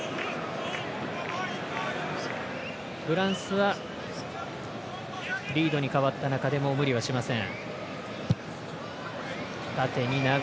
フランスはリードに変わった中でも無理はしません。